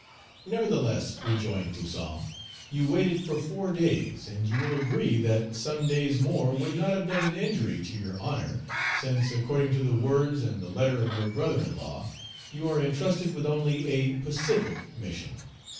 "Nevertheless," rejoined Toussaint, "you waited for four days, and you will agree that some days more would not have done an injury to your honor, since, according to the words and the letter of your brother in law, you are intrusted with only a pacific mission.